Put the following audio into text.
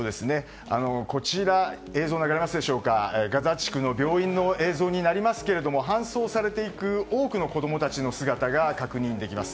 こちらガザ地区の病院の映像ですが搬送されていく多くの子供たちの姿が確認できます。